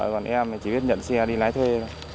còn em thì chỉ biết nhận xe đi lái thuê